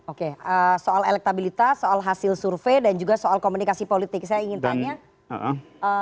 oke soal elektabilitas soal hasil survei dan juga soal komunikasi politik saya ingin tanya